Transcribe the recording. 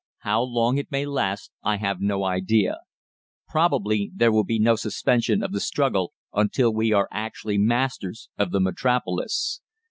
How long it may last I have no idea. Probably there will be no suspension of the struggle until we are actually masters of the Metropolis.